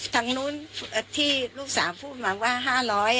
ทางนู้นที่ลูกสาวพูดมาว่า๕๐๐บาท